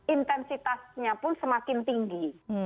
intensitasnya pun semakin tinggi